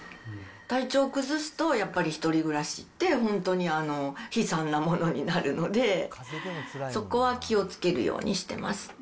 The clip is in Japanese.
体調崩すと、やっぱり１人暮らしって、本当に悲惨なものになるので、そこは気を付けるようにしてます。